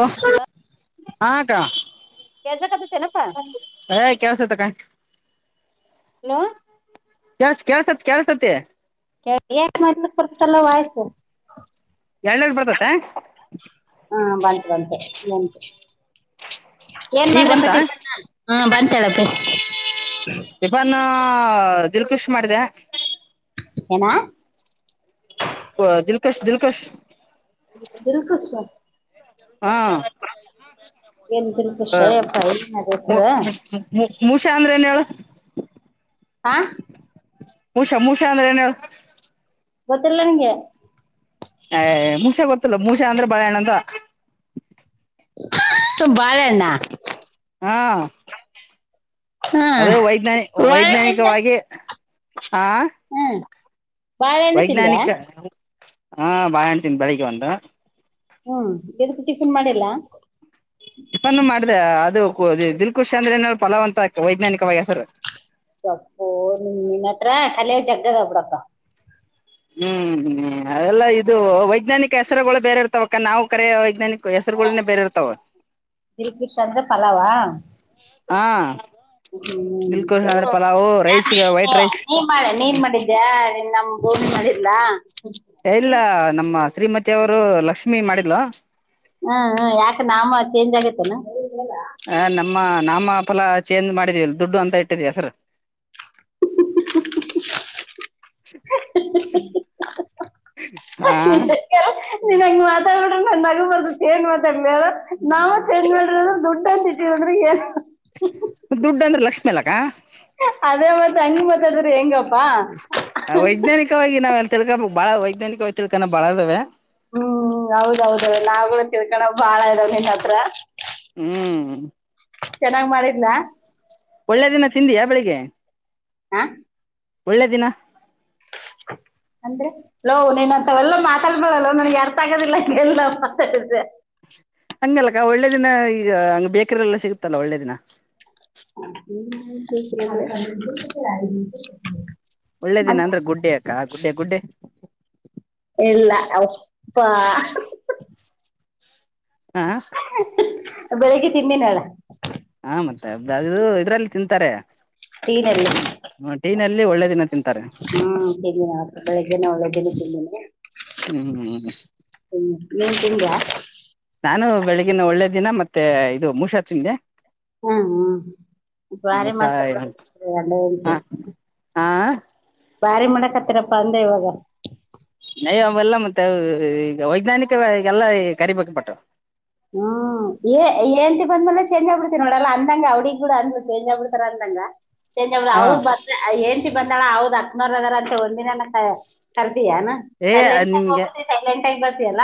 ಓ ಹಾ ಅಕ್ಕಾ. ಕೆಳಸಕತ್ತದತ್ತೇನಪ್ಪಾ. ಏ ಕೆಲಸ ಇತ್ತ ಅಕ್ಕ. ಹಲೋ. ಕೇಳಿಸ್ತ ಕೆಳಸತ ಕೆಳಸತೈತಿ. ಏನು ಮಾಡಿದ್ರು [unintelligible] ಚೋಲಾ ವಾಯ್ಸ್. ಎರಡನೇದ [unintelligible] ಬರ್ತತೆ ಹಾ ಬಂತ್ ಬಂತ್ ಬಂತು. ಏನ್ ಈಗ ಮಾಡ್ದಪ ಬಂತ ಟಿಪನ್ನ ಹಾ ಬಂತಳಪ್ಪಿ. ಟಿಪ್ಪಣ ದಿಲ್ ಖುಷ ಮಾಡಿದೆ. ಏನಾ. ದಿಲ್ಕಶ್ ದಿಲ್ಕಷ್. ದಿಲ್ಲಕಿಶ್. ಹಾ ಏನ್ ದಿಲ್ಕುಶ್ ಹ ಯಪ್ಪ ಏನ್ ಅದ ಹೆಸರು [unintelligible] ಮು ಮುಷಾಳ ಅಂದ್ರ ಏನ್ ಹೇಳು. ಹಾ. ಮೂಷ ಮುಷಾ ಅಂದ್ರ ಏನಳ. ಗೊತ್ತಿಲ್ ನಿಂಗೆ ಏ ಮುಷೆ ಗೊತ್ತಲ್ಲ ಮುಷೆ ಅಂದ್ರೆ ಬಾಳೆಹಣ್ಣಂತ. ಕ್ ಬಾಳೆ ಹಣ್ಣಾ ಹಾ ಹಾ ಅದು ವೈಜ್ಞಾನಿ ಬಾಳೆಹಣ್ಣಿಂದ ವೈಜ್ಞಾನಿಕವಾಗಿ ಆ ಹ್ಮ್ ಬಾಳ ಹಣ್ಣ ತಿಂದ್ಯಾ? ವೈಜ್ಞಾನಿಕ ಹಾ ಬಾಳೆನ್ ತಿಂದ ಬೆಳಿಗ್ಗೆ ಒಂದ ಹ್ಮ್ ಎದಕ್ ಟಿಫಿನ್ ಮಾಡಿಲ್ಲಾ? ಟೈಫನ್ನು ಮಾಡ್ದೇ ಅದು ದಿಲ್ಕುಶ್ ಅಂದ್ರೆ ಏನ್ ಫಲಾವ ಅಂತ ವೈಜ್ಞಾನಿಕವಾಗಿ ಹೆಸರು. ಯಪ್ಪೋ ನಿನ್ನತ್ರ ಕಲೆ ಜಗ್ಗದ ಬಿಡಪ್ಪಾ. ಹ್ಮ್ ಅದೆಲ್ಲ ಇದು ವೈಜ್ಞಾನಿಕ ಹೆಸರುಗಳು ಬೇರೆ ಇರ್ತವಕ್ಕ ನಾವು ಕರೆ ವೈಜ್ಞಾನಿಕ ಹೆಸರ್ಗೊಳ್ನೆ ಬೇರೆ ಇರ್ತಾವ. ದಿಲ್ಕುಶ್ ಅಂದ್ರೆ ಪಲಾವ ಹಾ ಹ್ಮ್ ದಿಲ್ಕುಶ್ ಅಂದ್ರೆ ಪಲಾವೂ ರೈಸ್ಗೆ ವೈಟ್ ರೈಸ್ ಮಾಡೆ ನೀನ್ ಮಾಡಿದ್ಯಾ ನೀ ನಮ್ ಭೂಮಿ ಮಾಡಿದ್ಲಾ? ಇಲ್ಲ ನಮ್ಮ ಶ್ರೀಮತಿ ಅವರು ಲಕ್ಷ್ಮೀ ಮಾಡಿದ್ಲು. ಹ್ಮ್ ಹ್ಮ ಯಾಕ ನಾಮ ಚೇಂಜ್ ಆಗೆತ್ತೇನ. ಹ ನಮ್ಮ ನಾಮ ಫಲ ಚೇಂಜ್ ಮಾಡಿದೀವಿಲ್ಲಿ ದುಡ್ಡು ಅಂತ ಇಟ್ಟಿದೀ ಹೆಸ್ರು. [unintelligible] ಹಾ ನೀನ್ ಹಂಗ ಮಾತಾಡಿಬಿಟ್ರ ನಂಗ್ ನಗು ಬರ್ತೈತಿ ಏನ್ ಮಾತಾಡ್ಲಿ ಹೇಳ ನಾವ್ ಏನ್ ಮಾಡ್ರಿ ಅಂದ್ರ ದುಡ್ಡ ಅಂತ ಇಟ್ಟೀವ್ ಅಂದ್ರ ಏನ [unintelligible] ದುಡ್ ಅಂದ್ರ ಲಕ್ಷ್ಮಿ ಅಲಕ್ಕಾ. ಅದೇ ಮತ್ ಹಂಗ್ ಮಾತಾಡಿದ್ರೆ ಹೆಂಗಪ್ಪಾ. ವೈಜ್ಞಾನಿಕವಾಗಿ ನಾವ ಏನ್ ತಿಳ್ಕೋ ಬಾಳ ವೈಜ್ಞಾನಿಕವಾಗಿ ತಿಳ್ಕನ ಬಾಳದಾವೆ. ಹ್ಮ್ ಹ್ಮ ಹೌದೌದದ ನಾವುಗಳು ತಿಳ್ಕಳ ಬಾಳ ಇದಾವ ನಿನ್ನ್ ಹತ್ರ ಹ್ಮ್ ಚೆನ್ನಾಗ್ ಮಾಡಿದ್ಲಾ? ಒಳ್ಳೆ ದಿನ ತಿಂದಿಯಾ ಬೆಳಿಗ್ಗೆ? ಹಾ ಒಳ್ಳೆ ದಿನ ಅಂದ್ರೆ? ಲೋ ನೀನಂತವೆಲ್ಲ ಮಾತಾಡ್ಬೇಡಲೋ ನನಗೆ ಅರ್ಥ ಆಗದಿಲ್ಲ ಏನಿಲ್ಲಾ ಮತ್ತೆ ಅದೇ ಹಂಗಲ್ಲಕ್ಕ ಒಳ್ಳೆ ದಿನ ಈ ಹಂಗ್ ಬೇಕರಿ ಎಲ್ಲ ಸಿಗುತ್ತಲ್ಲ ಒಳ್ಳೆ ದಿನ [unintelligible] ಒಳ್ಳೆ ದಿನ ಅಂದ್ರೆ ಗುಡ್ಡೆ ಯಕ್ಕಾ ಆ ಗುಡ್ಡೇ ಗುಡ್ಡೆ ಇಲ್ಲ ಅಪ್ಪಾ ಹಾ ಬೆಳಿಗ್ಗೆ ತಿಂದಿನ್ ಏಳ್ ಹಾ ಮತ್ತೆ [unintelligible] ಅದು ಇದ್ರಲ್ಲಿ ತಿಂತಾರೆ ಟೀನಲ್ಲಿ ಹ್ಮ ಟೀ ನಲ್ಲಿ ಒಳ್ಳೆ ದಿನ ತಿಂತಾರೆ. ಬೆಳಿಗ್ಗೆನೆ ಒಳ್ಳೆ ದಿನ ತಿಂದಿನಿ. ಹ್ಮ್ ಹ್ಮ್ ಹ್ಮ ಹ್ಮ ನೀನ್ ತಿಂದಿಯಾ? ನಾನು ಬೆಳಗಿನ ಒಳ್ಳೆ ದಿನ ಮತ್ತೆ ಇದು ಮುಷಾ ತಿಂದೆ. ಹ್ಮ್ ಹ್ಮ್ ಬಾರಿ ಮತ್ತೆ ಮಾಡ್ತಾರ ಹ ಗಂಡ ಹೆಂಡ್ತಿ ಹಾ ಬಾರಿ ಮಾಡಕತ್ತಿರಪ್ಪಾ ಅಂದೆ ಇವಾಗ. ನಯ ಅವಲ್ಲ ಮತ್ತೆ ಈಗ ವೈಜ್ಞಾನಿಕವಾಗಿ ಎಲ್ಲ ಕರಿಬೇಕ ಪಟ್ಟ. ಹ್ಮ್ ಏಏಂತಿ ಬಂದ ಮೆಲೆ ಚಂಜ್ ಆಗ್ಬಿಡ್ತತಿ ನೋಡಲ್ಲ ಅಂದಂಗ ಅವಡಿಗ್ ಗೂಡ ಅಂದ್ಬಡ್ ಚೇಂಜ್ ಆಬ ಬಿಡ್ತರ ಅಂದಂಗ. ಚೇಂಜ್. ಹಾ [unintelligible] ಹೆಂಡತಿ ಬಂದಾಳ ಹೌದ್ ಅಕ್ಕನವರ ಅದಾರ ಅಂತೆ ಒಂದಿನನ ಕರ್ದಿಯಾ ಏನು. ಏ ಅದ್ ಸೈಲೆಂಟಾಗ್ ನಿಮ್ಗೆ ಹೋಗ್ತಿಯ ಸೈಲೆಂಟಾಗ್ ಬರ್ತೀಯಲ್ಲ.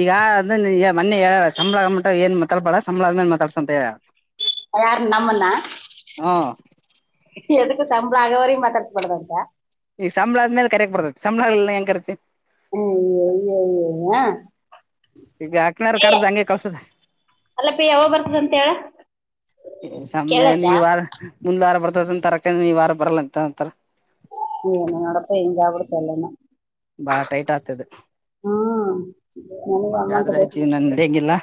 ಈಗ ಅ ಈ ಮೊನ್ನೆ ಹೇಳ್ಯಾಳ ಸಂಬಳಗ ಮಟ ಏನ್ ಮಾತಾಡ್ಬಡಲ್ಲ ಸಂಬಳ ಆದ್ ಮೇಲೆ ಮಾತಾಡ್ಸಂತ ಹೇಳ್ಯಾಳ. ಯಾರ್ನ್ ನಮ್ನನ್ನ ಹ್ಮ್ ಎದುಕ್ಕ ಸಂಬಳ ಆಗೋವರೆಗೂ ಮಾತಾಡಬಾರದು ಅಂತ. ಈ ಸಂಬಳ ಆದ ಮೇಲೆ ಕರಿಯೋಕೆ ಬರ್ತತಿ ಸಂಬಳಗಿಲ್ಲ ಹೆಂಗ ಕರೀತಿ. ಅಯ್ಯೋಯ್ಯೋ ಯಾ. ಈಗ ಅಕ್ನಾರ್ ಕರ್ದ್ ಹಂಗೆ ಕಳ್ಸದ [inaudible] ಅಲ್ಲಪಿ ಯಾವಾಗ ಬರ್ತದಂತ ಹೇಳ. ಸಂಬಳ ಕೇಳಕ್ಕ ಈ ವಾರ ಮುಂದ್ಲ ವಾರ ಬರ್ತದಂತ ತರಕ ಈ ವಾರ ಬರಲ್ಲಂತ ಅಂತಾರ. ಏನು ನೋಡಪ್ಪ ಹಿಂಗಾಗ್ಬಿಡ್ತು ಎಲ್ಲನು. ಬಾಳ ಟೈಟ್ ಆಯಿತು ಇದು. ಹ್ಮ್ ನನಗೆ ಆದ್ರ ಅಂಗೆ ಅನ್ಸಕತ್ ಜೀವನ ನಡೆಯಂಗಿಲ್ಲ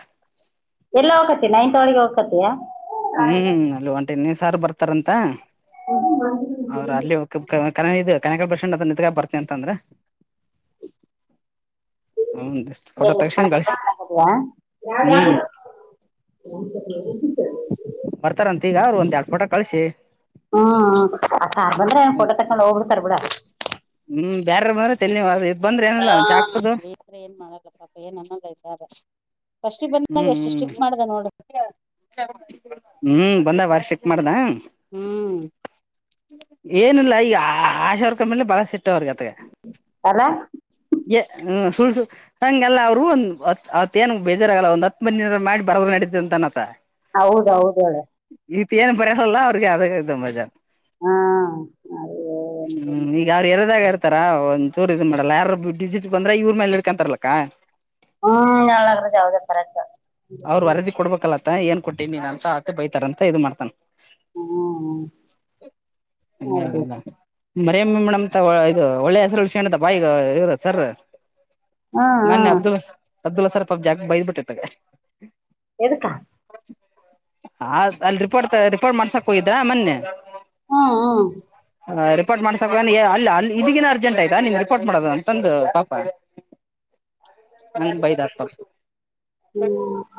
ಎಲ್ಲ ಹೋಗಕತಿ ನೈನ್ತ್ ವಾರ್ಡ್ ಗೆ ಹೋಗಕತಿಯಾ. ಹ್ಮ್ ಅಲ್ಲಿ ಒಂಟೆನೇ ಸಾರ ಬರ್ತಾರಂತ ಅವ್ರ ಅಲ್ಲಿ ಕ ಕ ಇದು ಕನೆಕಳ ಬಸ್ಂಡ್ ಅತ್ರ ನಿಂತ್ಕ ಬರ್ತನ ಅಂತಂದ್ರ. ಹ್ಮ [unintelligible] ಹ್ಮ್ ಹಾ [unintelligible] ಬರ್ತಾರಂತ ಈಗ ಅವರು ಒಂದ್ ಎರಡು ಪೋಟ ಕಳಸಿ ಹ್ಮ್ ಸಾರ್ ಬಂದ್ರೆ ಎನ್ ಪೋಟೋ ತಕ್ಕೊಂಡ ಹೋಗ್ಬಿಡ್ತಾರ ಬಿಡು. ಹ್ಮ್ ಬ್ಯಾರಾರ ಬಂದ್ರ ತಲೆ ನೋವು ಅದ್ ಇದ್. ಬಂದ್ರ ಏನಲ್ಲ ಹಾ ಒಂದ್ ಚಾ ಕುಡುದು ಏನ್ ಮಾಡಲ್ಲ ಪಾಪ ಏನ್ ಅನ್ನಲ್ಲ ಈ ಸರ್. ಫಸ್ಟ್ಗ್ ಬಂದಾಗ ಎಷ್ಟು ಸ್ಟ್ರಿಕ್ ಮಾಡ್ದ ನೋಡು. ಹೂ ಬಂದಾಗ್ ಬಾರಿ ಸ್ಟ್ರಿಕ್ಟ್ ಮಾಡಿದ. ಹ್ಮ್ ಏನಿಲ್ಲ ಈಗ ಆ ಆಶಾ ವರ್ಕರ್ ಮ್ಮೇಲೆ ಬಾಳ ಸಿಟ್ಟ ಅವ್ರಗತೆಗ. ಅಲ್ಲ ಎ ಹ್ಮ ಸುಳ್ಸು ಹಂಗಗೆಲ್ಲ ಅವರು ಅತ್ ಅತ್ ಏನ್ ರಾಗಲ್ಲ ಒಂದ ಹತ್ತ ಮಂದಿ ನರ ಮಾಡಿ ಬರದ್ ನಡೀತ ಅಂತನಾ ಆತ. ಹೌದೌದ ಹೇಳು. ಈತ್ ಏನ್ ಬರೆಯೋಲ್ಲ ಅವ್ರಿಗೆ ಆದ ಇದು ಮಜಾ. ಹಾ ಅಯ್ಯೋ, ಎಂತ ಒಂದು ಹ್ಮ್ ಈಗ ಅವ್ರ ಏರಿಯಾದಾಗ್ ಹಾರ. ಇರ ಒಂದ್ ಚೂರು ಇದ್ ಮಾಡಲ್ಲ ಯಾರು ಡಿಸಿಟ್ ಬಂದ್ರೆ ಇವ್ರ ಮೇಲೆ ಇಡ್ಕಂತಾರಲಕ್ಕಾ. ಹೂ ಹೇಳು ನಾಗರಾಜ ಹೌದು ಕರೆಕ್ಟ್. ಅವ್ರ ವರದಿ ಕೊಬೇಕಲ್ಲತ್ತ ಏನ್ ಕೊಟ್ಟಿನಿ ನೀನ ಅಂತ ಆತ್ತೆ ಬೈತಾರ ಅಂತ ಇದು ಮಾಡ್ತನ್. ಹ್ಮ್ ಹೌದು ಹಂಗೇನಿಲ್ಲ. ಮರಮ್ಮ ಮೇಡಮ್ಂತ ಇದು ಒಳ್ಳೆ ಹೆಸರು ಉಳಿಸ್ಯಾಂದಿದಪಾ ಇರ ಸರು. ಹ್ಮ್ ಮೊನ್ನೆ ಹ್ಮ್ ಅಬ್ದುಲ್ ಅಬ್ದುಲ್ ಹಸರ್ ಪಬ್ ಜಾಗ ಬೈದ್ಬಿಟ್ಟಿತಗ. ಎದಕ್ಕಾ ಹ ಅಲ್ಲಿ ರಿಪೋರ್ಟ್ ರಿಪೋರ್ಟ್ ಮಾಡ್ಸಾಕ್ ಹೋಗಿದ್ದಾ ಮೊನ್ನೆ. ಹ್ಮ ಹ್ಮ. ಹ ರಿಪೋರ್ಟ್ ಮಾಡ್ಸಕ್ ಅಲ್ಲಿ ಅಲ್ಲಿಗಿನ ಅರ್ಜೆಂಟ್ ಆಯ್ತಾ ನಿನ್ ರಿಪೋರ್ಟ್ ಮಾಡೋದು ಅಂತಂದು ಪಾಪ. [inaudible] ನಂದ ಬೈದ್ ಆತ್ಪ. ಹ್ಮ [unintelligible]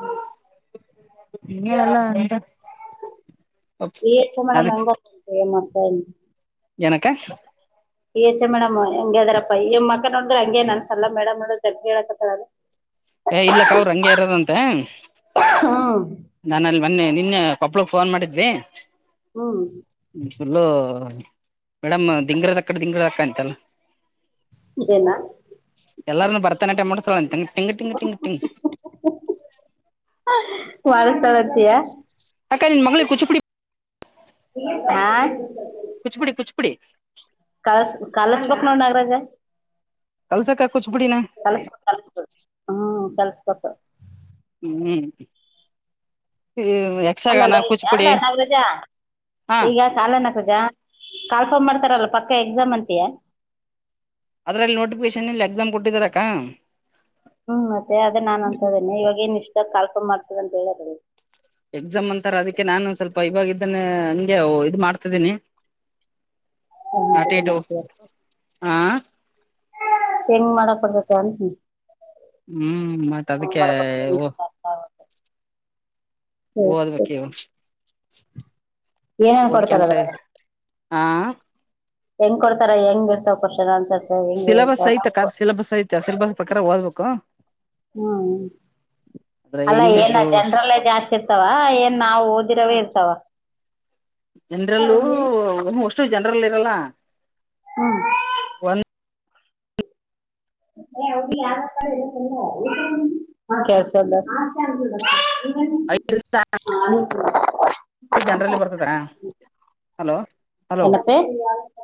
ಲ್ಲಂತ [unintelligible] ಈ ಹೆಚ್ ಎಂ ಮೇಡಮ್ಂ ಹೆಂಗ್ ಆರ ಏನಕ್ಕ [inaudible] ಈಹೆಚ ಎಂ ಮೇಡಮ್ ಹಂಗ ಅದಾರಪ್ಪ ಈವ ಮಕ್ಕ ನೋಡ್ರೆ ಹಂಗಗೆ ಅನ್ಸಲ್ಲ ಮೇಡಮ್ ನೋಡ್ರ ಹೇಳಕತ್ತಳ ಹ [unintelligible] ಏ ಇಲ್ಲಕ್ಕ ಅವ್ರ ಹಂಗೆ ಇರದಂತೆ ಹ್ಮ್ ನಾನ ಅಲ್ಲಿ ಮೊನ್ನೆ ನಿನ್ನೆ ಕೊಪ್ಪಳಗ್ ಫೋನ್ ಮಾಡಿದ್ವಿ ಹ್ಮ್ ಫುಲ್ಲು ಮೇಡಮ್ ದಿಂಗ್ರದ ದಿಂಗ್ರದಕ್ಕಂತಲ್ಲ ಇದೇನಾ ಎಲ್ಲರನ್ನುೂ ಭತನಾಟ್ಯ ಮಾಡಿಸ್ತಾಳಂತೆನ್ ಟಿಂಗ್ ಟಿಂಗ್ ಟಿಂಗ್ ಟಿಂಗ್ ವಾರಸತಯ [unintelligible] ಅಕ ನಿನ್ ಮಿಗೆ ಕುಚುಪಡಿ ಹಾ ಕುಚುಪುಡಿ ಕುಚಿಪುಡಿ ಕಳಸ್ ಕಾಲಸ್ಬೇಕಕ್ ನೋಡ ನಾಗ್ರಜ ಕಲ್ಸಕ ಕುಚಿಪುಡಿ ನಾ ಕಲ್ಸ್ಕೊ ಕಲ್ಸ್ಕೋ ಹ್ಮ್ ಕಲ್ಸ್ಕೊಟ್ಟ [unintelligible] ಹ್ಮ್ ಯಕ್ಷಗಾನ ಅಲ್ಲಲ್ಲ ಅಲ್ಲ ಕುಚಿಪುಡಿ ನಾಗರಾಜ್ ಹಾ ಈಗ ಕಾಲ ನಾಗರಾಜ್ ಕಾಲ್ಫಾರ್ಮ್ ಮಾಡ್ತಾರಲ್ಲ ಪಕ್ಕ ಎಕ್ಸಾಮ್ ಅಂತಿಯಾ ಅದ್ರಲ್ಲಿ ನೋಟಿಫಿಕೇಶನ್ ಇಲ್ಲಿ ಎಕ್ಸಾಮ್ ಬುಟ್ಟಿದಾರಕ್ಕಾ ಹ್ಮ್ ಮತ್ತೆ ಅದೇ ನಾನ್ ಅನ್ಸದೇನೆ ಇವಾಗ ನ್ ಇಷ್ಟಾಗ ಕಲ್ಪ ಮಾಡ್ತದ ಅಂತ ಹೇಳ ಎಕ್ಸಾಮ್ ಅಂತಾರೆ ಅದಕ್ಕೆ ನಾನು ಸ್ವಲ್ಪ ಇವಾಗ ಇದ್ದನ್ನೆ ನಂಗೆ ಇದು ಮಾಡ್ತಿದ್ದೀನಿ ಆಟಿಟು ಹಾ ಹೆಂಗ್ ಮಾಡಕ್ ಬರ್ತತೆ ಅಂತಿನಿ ಹ್ಮ್ ಮತ್ತ್ ಅದಕ್ಕೆ ಹಾ [unintelligible] ಓದ್ಬೇಕವು ಏನೇನ್ ಕೊಡ್ತಾರ ಓದಕ್ಕೆಂತ ಅದ್ರಾಗ ಹಾ ಹೆಂಗ್ ಕೊಡ್ತಾರ ಹೆಂಗ ಇರ್ತ ಕರ್ಷನ್ಸರ್ ಸಿಲೆಬಸ್ ಐತೆ ಕಾದ್ ಸಿಲೆಬಸ್ ಐತೆ ಸಿಲೆಬಸ್ ಪ್ರಕಾರ ಓದ್ಬೇಕು ಹ್ಮ್ ಆದ್ರೆ ಅಲ್ಲ ಏನ ಇಂಗ್ಲಿಷು ಜನ್ರಲ್ಲೇ ಜಾಸ್ತಿ ಇರ್ತವ ಏನ್ ನಾವು ಓದಿರವೇ ಇರ್ತವ ಜನರಲ್ಲೂ ಅಷ್ಟು ಜನರಲ್ ಇರಲ್ಲ ಹ್ಮ್ ಒಂದ್ ಅ ಹದು ಯಾರ ಕ [unintelligible] ಹ ಕೆಲಸ ಅಲ್ಲ ಅಹಸ [unintelligible] ನ [unintelligible] ಜನರಲ್ಲಿ ಬರ್ತಾದ ಹಲೋ ಹಲೋ ಏನಪ್ಪಿ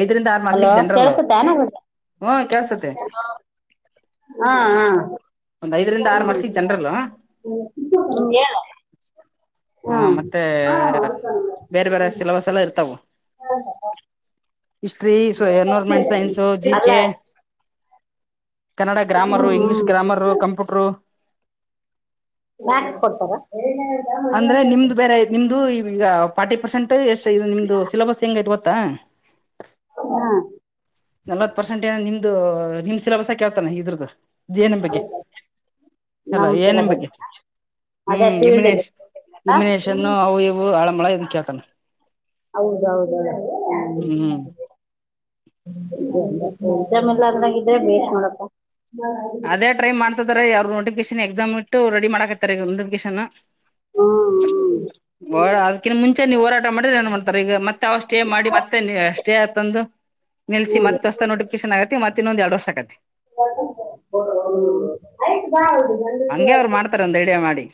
ಐದರಿಂದ ಆರ್ ಹಲೋ ಮಾರ್ಷಿಗೆ ಜನರಲ್ವ ಕೇಳಸುತ್ತಾನ ಹ ಕೇಳ್ಸತ್ತ ಹಾ ಹಾ ಒಂದ್ ಐದರಿಂದ ಆರು ಮಾರ್ಷಗಿ ಜನರಲ್ಲ ಹ್ಮಗೆ [unintelligible] ಹಾ ಹ ಮತ್ತೆ ಹಾ ಅತಲ್ಲ ಹ [unintelligible] ಸ ಎಲ್ಲ ಇರ್ತಾವು [inaudible] ಹಿಸ್ಟ್ರಿ ಎನ್ವೈರ್ಮೆಂಟ್ ಸೈನ್ಸು ಜಿ ಅಲ್ಲ ಕೆ. ಕನ್ನಡ ಗ್ರಾಮರು ಹ್ಮ್ ಇಂಗ್ಲೀಷ್ ಹ್ಮ್ ಗ್ರಾಮರ್ ಕಂಪ್ಯೂಟರು. ಮ್ಯಾಕ್ಸ್ ಕೊಡ್ತಾರ. ಅಂದ್ರೆ ನಿಮ್ದು ಬೇರೆ ನಿಮ್ದು ಈಗ ಫಾರ್ಟಿ ಪರ್ಸೆಂಟ್ ಎಷ್ಟು ಇದು ನಿಮ್ದು ಸಿಲೆಬಸ್ ಹೆಂಗ್ ಗೊ ತ್ತಾ. ಹಾ. ನಲ್ವತ್ ಪರ್ಸೆಂಟ್ ಏನ ನಿಮ್ದು ನಿಮ್ ಸಿಲೆಬಸ್ ಕೇಳತಾನ ಇದ್ರ್ದು. ಜೆ ಏನ್ ಎಂ ಬಗ್ಗೆ ಅಲ್ಲಾ ನಮ್ ಎ ಏನ್ ಎಂ ಸಿಲಬಸ್ ಬಗ್ಗೆ ಅದೇ ಹ್ಮ್ ಫೀಲ್ಡ್ ಯಮನೇಶ್. ಇಮಿನೇಷನ್ನು ಅವು ಇವು ಆಳಮಳ ಇದ ಕೇಳ್ತಾನ. ಹೌದೌದೌದು ಹ್ಮ್. [unintelligible] ಆಗ್ಲಾಗಿದ್ರೆ ಭೇಷ್ ಮಾಡಪ್ಪ. ಅದೇ ಟ್ರೈ ಮಾಡ್ತಾರೆ ಯ ಅವ್ರರು ನೋಟಿಫಿಕೇಶನ್ ಎಕ್ಸಾಮ್ ಇಟ್ಟು ರಡಿ ಮಾಡಾಕತ್ತಾರೆ ನೋಟಿಫಿಕೇಶನ್. ಹ್ಮ್ ಬಳ ಹ್ಮ್ ಅದ್ಕಿನ್ ಮುಂಚೆ ನೀವು ಹೋರಾಟ ಮಾಡಿದ್ರೆ ಏನ್ ಮಾಡ್ತಾರೆ ಈಗ ಮತ್ತ ಸ್ಟೇ ಮಾಡಿ ಮತ್ತೆ ಸ್ಟೇ ತಂದು ನಿಲ್ಸಿ ಹ್ಮ್ ಮತ್ತೆ ಹೊಸ ನೋಟಿಫಿಕೇಶನ್ ಆಗತಿತ್ತೆ. ತ್ತ ಇನ್ನೊಂದು ಎರಡ ವರ್ಷ ಆಕೇತ. [inaudible] ಆಯ್ತು ಬಾ. ಬಂದಿದ್ರು ಹಂಗೆ ಅವ್ರು ಆಯ್ತು. ಮಾಡ್ತಾರ ಒಂದ್ ಐಡಿಯಾ ಮಾಡಿ.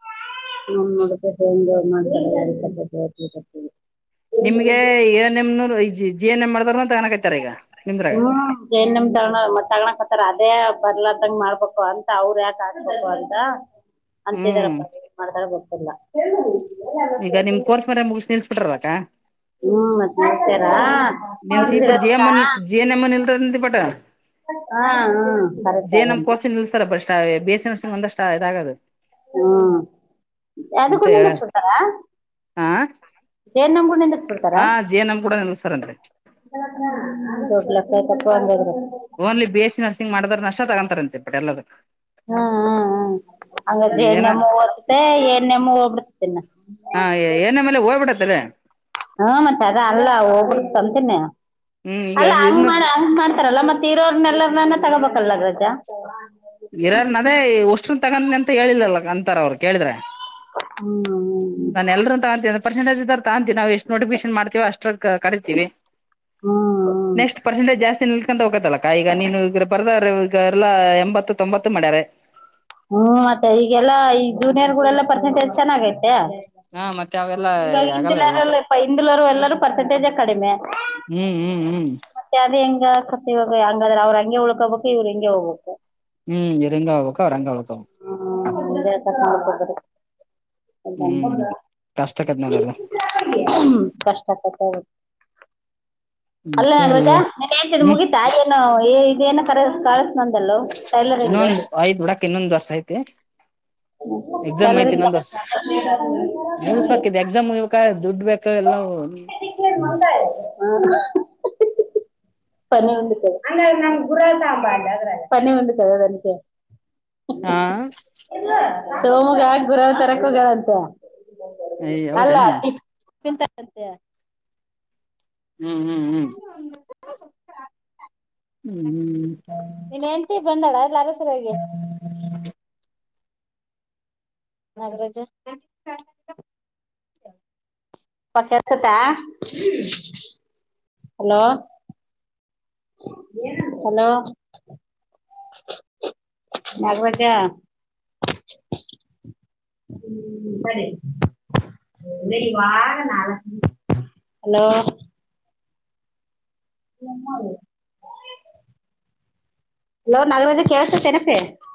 [unintelligible] ನಿಮ್ಗೆ N M G N M ಮಾಡ್ದಾರ ತಗಕೈತಾರ ಈಗ. ನಿಮ್ದ್ರಾಗ ಹಾ. ಜೆ ಎನ್ ಎಂ ತಗ ತಗಣಕ್ ಹತ್ತಾರ ಅದೇ ಬರ್ಲದಂಗ ಮಾಡ್ಬೇಕು ಅಂತ ಅವ್ರ ಯಾಕ ಹಾಕ್ಬೇಕು ಅಂತ. ಅಂತಿದ್ದರ ಹ್ಮ್ ಪಾ ಏನ್ ಮಾಡ್ತಾರ ಗೊತ್ತಿಲ್ಲ. ಮತ್ತೆ ಈಗ ನಿಮ್ ಸುಮ್ನೆ ಕೋರ್ಸ್ ಮರ ಮುಗಿಸಿ ನಿಲ್ಸ್ ಬಿಟ್ರಕ್ಕಾ. ಹ್ಮ್ ಮತ್ತ್ ನಿಲ್ಲಿಶ್ಯರ. [unintelligible] ಮ್ಮನ್ ಜಿ ಎನ್ ಎಮ್ಮನ್ ಇಲ್ರ ಬಟ್. ಹಾ ಹ ಕರೆಕ್ಟ್ ಅದನು. ನಿಲಸ್ತಾರ ಬಷ್ಟ ಬಿ ಎಸ್ ಈ ನರ್ಸಿಂಗ್ ಒಂದಷ್ಟ ಇದಾಗದು. ಹ್ಮ ಆದು ಕೂಡಂಡ ಸಟಾರಾ. ಆ ಏನ್ ನಮಗೂ. [unintelligible] ಹಾ ಜೇ ನಮ್ ಕೂಡ ನೀಲಸ್ತಾರ ಅಂತೇ. ದೊಡ್ಡ ಲೆಕ್ಕಾ ಆಯ್ತ್ ಪಾ ಹಂಗ ಆದ್ರೆ. Only B S C nursing ಮಾಡಿದ್ರ ಅಷ್ಟ ತಗೊಂತಾರಂತೆ ಬಟ್ ಎಲ್ಲದಕ್ಕ. ಹ್ಮ್ ಹ್ಮ್ ಹ್ಮ್ ಹಂಗ ಜೆ ಏನ ನೆಮ್ಮು ಹೋಗುತ್ತೆ ಎ ಎನ್ ಎಂ ಹೋಗ್ಬಿಡ್ತತಿನ. ಹಾಂ ಎ ಎನ್ ಎಂ ಹೋಗ್ಬಿಡತ್ತಲ್ಲೇ. ಹ್ಮ ಮತ್ತೆ ಅದ ಅಲ್ಲ ಹೋಗ ಬಿಡತ್ತ್ ತಂತನ್ಯ ಹ್ಮ್ ಅಲ್ಲ ಈಗ ಹಂಗ ಇದನ್ನ ಮಾಡ ಹ ಮಾಡ ಲ್ಲ ಮತ್ತೆ ಇರೋರನ್ನೆಲ್ಲ ತಗೋಬೇಕಲ್ಲ ರಜಾ. ಇರಾರ ನದೇ ಉಷ್ಟ್ರ ತಗೊಂಡಿ ಅಂತ ಹೇಳಿಲ್ಲಲ್ಲ ಅಂತಾರ ಅವ್ರು ಕೇಳಿದ್ರೆ. ಹ್ಮ. ನಾ ಎಲ್ಲರೂ ತೊಂತೀನ ಪರ್ಸೆಟೇಜ ಇದ್ದರ್ನ ತಗಂತೀವಿ ನಾವು ಎಷ್ಟ ನೋಟಿಕೇಶನ್ ಮಾಡ್ತೀವೋ ಅಷ್ಟ ಕರಿತೀವಿ. ಹ್ಮ್ ಹ್ಮ್ ನೆಕ್ಸ್ಟ್ ಪರ್ಸೆಂಟೇಜ್ ಜಾಸ್ತಿ ನಿಲ್ ಕಂತ ಹೋಗತ್ತಲ್ಲಕ್ಕ ಈಗ ನೀನುಗ ಬರ್ದ ಎಲ್ಲಾ ಎಂಬತ್ತು ತೊಂಬತ್ತು ಮಾಡ್ಯಾರ. ಹ್ಮ್ ಮತ್ತೆ ಈಗೆಲ್ಲಾ ಈ ಜೂನಿಯರ್ ಗಳೆಲ್ಲಾ ಪರ್ಸೆಂಟೇಜ್ ಚೆನ್ನಾಗೈತೆ. ಹಾ ಮತ್ತೆ ಅವೆಲ್ಲ ಇವಾಗ ಆಗಲ್ಲ ಹಿಂದಿಲಿ ಎಲ್ಲ ಯಾರೂ ಇಲ್ಲಪಾ ಹಿಂದಿಲರು ಎಲ್ಲರೂ ಪರ್ಸೆಂಟೇಜ ಕಡಿಮೆ ಹ್ಮ್ ಹ್ಮ್ ಹ್ಮ್ ಮತ್ತೆ ಅದೇ ಹೆಂಗ ಕಸ ಹಂಗಾದ್ರ ಅವ್ರ ಹಂಗೆ ಉಳ್ಕೋಬೇಕು ಇವ್ರರು ಹೆಂಗೆ ಹೋಗ್ಬೇಕು ಹ್ಮ್ ಇವ್ರ್ ಇಂಗ ಹೋಗ್ಬೇಕು ಅವ್ರು ಅಂಗೇ ಹೋಗ್ಬೇಕು ಹ್ಮ್ ಇತ ನೋಡ್ಬೋ್ರ [inaudible] ಹ [inaudible] ಹ್ಮ್ ಕಷ್ಟ ಆಕತ್ ನೋಡಲ್ಲ ಹ್ಮ ಕಷ್ಟ ಆ ಅಲ್ಲೇ ಮತ್ತೆ ಇವ ನನ್ೇತ ಹ್ಮ್ ಮುಗ [inaudible] ತಾಯ ಏನು ಇದ ಏನು ಕ ಕಸ್ ಬಂದಲ್ಲು ಟೈಲರಿಂಗ್ ಆಯ್ ಬಿಡಕ್ ಇನ್ನೊ ವರ್ಸ ಐತೆ ಎಕ್ಸಾಮ್ ಐತಿ ಟೈಲರಿಂಗ್ ನಂದರ್ ಕಲಸ ನಗಸ್ಬೇಕಕ್ ಎಕ್ಸಾಮ್ ಮುಗಿಬೇಕ್ ದುಡ್ ಬೇಕಾದ ಎಲ್ಲ [unintelligible] ಮಂಗ [inaudible] ಪನಿ ಉಂದದೆ ಅಂದ್ರ ನಮ ಗುರ ಆಬ್ಬಾದ ಅದ್ರೆ ಪನಿ ಉಂದತದೆ ಅದನಕ್ಕೆ [inaudible] ಹಾ ಸೋಮಗ ಹಾಕ ಬುರ ತರಕ ಹೋಗಂತ ಅಲ್ಲ ಹೌದೇನ ಚಿಂತ ಹ್ಮ್ ಹ್ಮ್ ಹ್ಮ್ [inaudible] ಹ್ಮ್ ಹ್ಮ್ ಹ [inaudible] ನೀನ್ ಹೆಂಡತಿ ಬಂದಳಲ್ಲ ಹಗೆ [unintelligible] ನಾಗರಾಜ ಪ ಕೆಸತ ಹಲೋ [unintelligible] ಹಲೋ ನಾಗರಾಜ ಹ್ಮ ಸರಿ [unintelligible] ಅದೇ ಈ ವಾರ ನಾಲಕ್ ಹಲೋ ಎ [unintelligible] ಹಲೋ ನಾಗರಾಜ ಕೇಳಸತೇನಪ್ಪಿ